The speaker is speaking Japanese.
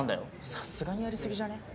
さすがにやりすぎじゃね？